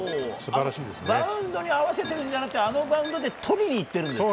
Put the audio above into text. バウンドに合わせているんじゃなくてあのバウンドでとりにいってるんですね。